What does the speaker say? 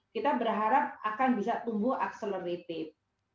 kita berharap akan bisa tumbuh accelerated